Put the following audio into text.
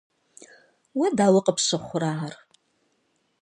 Уэ дауэ къыпщыхъурэ ар?